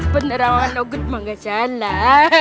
penerawang nogut mah gak salah